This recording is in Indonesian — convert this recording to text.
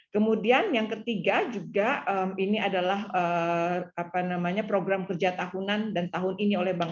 kemudian yang ketiga juga ini adalah program kerja tahunan dan tahun ini oleh bank